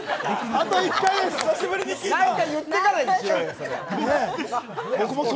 何か言ってからにしようよ。